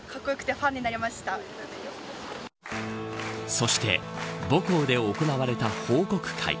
そして母校で行われた報告会。